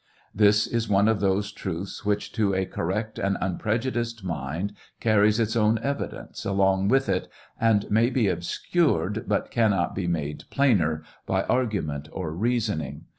»«» ipjjjg jg jjjjg ^f those truths which to a correct and unprejudiced mind carries its own evidence along with it, and may be obscured, but cannot be made plainer by argument or reasoning.